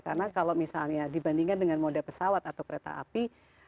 karena kalau misalnya dibandingkan dengan moda pesawat atau kereta api